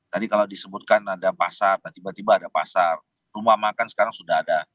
tadi kalau disebutkan ada pasar tiba tiba ada pasar rumah makan sekarang sudah ada